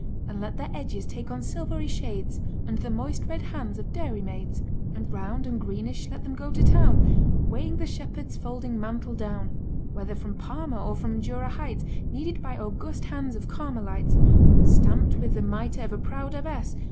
And let their edges take on silvery shades Under the moist red hands of dairymaids; And, round and greenish, let them go to town Weighing the shepherd's folding mantle down; Whether from Parma or from Jura heights, Kneaded by august hands of Carmelites, Stamped with the mitre of a proud abbess.